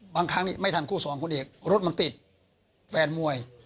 บางครั้งนี้ไม่ทันคู่สองคนเดียวรถมันติดแวนมวย